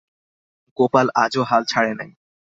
গোপাল আজও হাল ছাড়ে নাই।